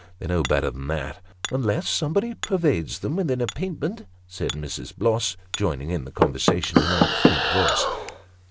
They know better than that." " Unless somebody pervades them with an apintment," said Mrs. Bloss, joining in the conversation in a faint voice.